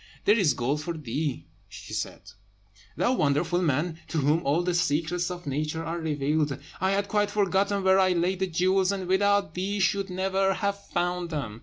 "There is gold for thee," she said, "thou wonderful man, to whom all the secrets of Nature are revealed! I had quite forgotten where I laid the jewels, and without thee should never have found them.